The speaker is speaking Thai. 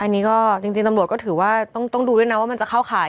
อันนี้ก็จริงตำรวจก็ถือว่าต้องดูด้วยนะว่ามันจะเข้าข่าย